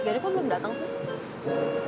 kok belum datang sih